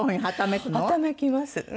はためきます。